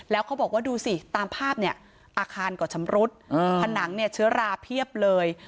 แล้วเขาบอกว่าดูสิตามภาพเนี่ยอาคารก็ชำรุดผนังเนี่ยเชื้อราเพียบเลย